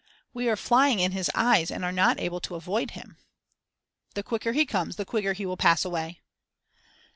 "We are flying in his eyes and are not able to avoid him." "The quicker he comes, the quicker he will pass away."